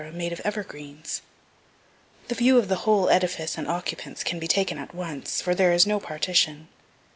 made of evergreens. The view of the whole edifice and occupants can be taken at once, for there is no partition.